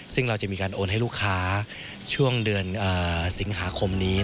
ซึ่งเราจะมีการโอนให้ลูกค้าช่วงเดือนสิงหาคมนี้